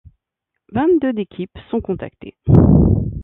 Vingt-deux d'équipes sont contactées.